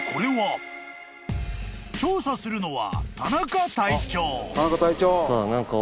［調査するのは］